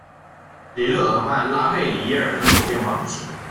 里勒河畔拉费里耶尔人口变化图示